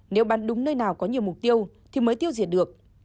nếu bán đúng nơi nào có nhiều mục tiêu thì mới tiêu diệt được